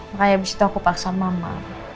maka abis itu aku paksa mama